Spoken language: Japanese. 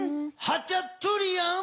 ハチャトゥリアン。